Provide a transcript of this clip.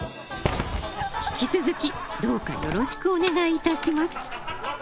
引き続きどうかよろしくお願いいたします。